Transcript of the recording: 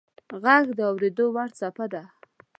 • ږغ د اورېدو وړ څپه ده.